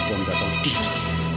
kau nggak tahu diri